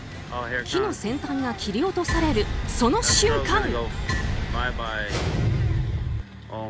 木の先端が切り落とされるその瞬間。